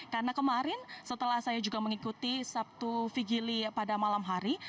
karena kemarin setelah saya juga mengikuti sabtu vigili pada malam hari